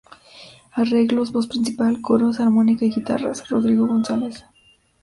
Arreglos, voz principal, coros, armónica y guitarras: Rodrigo González.